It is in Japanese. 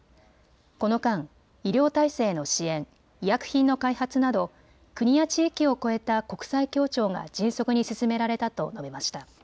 この間、医療体制の支援、医薬品の開発など国や地域を越えた国際協調が迅速に進められたと述べました。